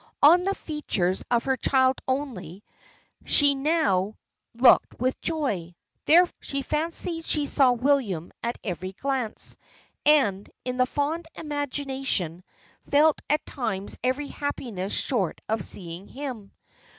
On the features of her child only, she now looked with joy; there, she fancied she saw William at every glance, and, in the fond imagination, felt at times every happiness short of seeing him.